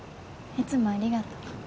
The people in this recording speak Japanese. いつもありがとう。